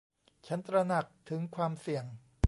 ฉันตระหนักถึงความเสี่ยง